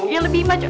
yang lebih maco